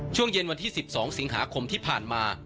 ช่วงเย็นวันที่๑๒สิงหาคมที่ผ่านมา